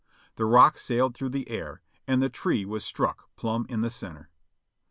The rock sailed through the air, and the tree was struck plumb in the center.